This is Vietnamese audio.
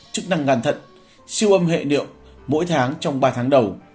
chức năng ngàn thận siêu âm hệ điệu mỗi tháng trong ba tháng đầu